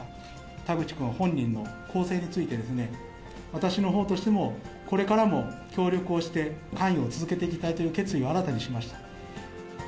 田口君本人の更生についてですね、私のほうとしても、これからも協力をして、関与を続けていきたいという決意を新たにしました。